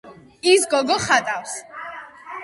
ის გოგო ხატავს